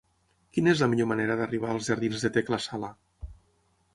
Quina és la millor manera d'arribar als jardins de Tecla Sala?